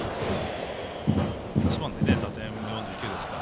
１番で打点４９ですか。